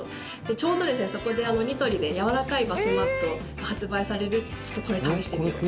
ちょうどそこで、ニトリでやわらかいバスマットが発売されるということでこれ、試してみようと。